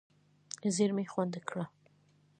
زېرمې خوندي کړه.